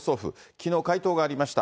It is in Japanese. きのう、回答がありました。